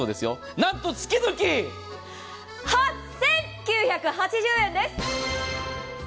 なんと月々８９８０円です。